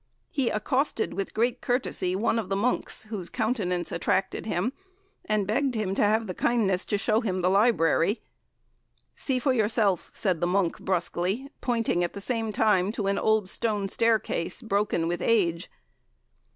He accosted, with great courtesy, one of the monks whose countenance attracted him, and begged him to have the kindness to show him the library. 'See for yourself,' said the monk, brusquely, pointing at the same time to an old stone staircase, broken with age.